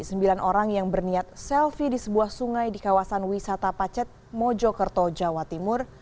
sembilan orang yang berniat selfie di sebuah sungai di kawasan wisata pacet mojokerto jawa timur